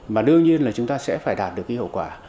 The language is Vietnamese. mà đương nhiên là chúng ta sẽ phải đạt được cái hậu quả